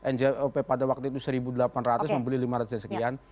njop pada waktu itu seribu delapan ratus membeli lima ratus sekian